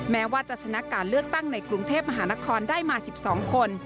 แม้ว่าจะชนะการเลือกตั้งในกรุงเทพมหานครได้มา๑๒คน